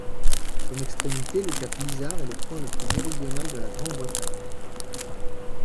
Son extrémité, le cap Lizard, est le point le plus méridional de la Grande-Bretagne.